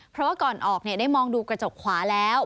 เพราะว่าก่อนออกได้มองดูกระจกขวาแล้ว